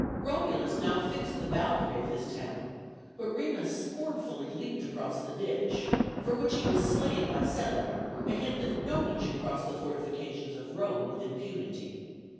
Romulus now fixed the boundary of his town, but Remus scornfully leaped across the ditch, for which he was slain by Celer, a hint that no one should cross the fortifications of Rome with impunity.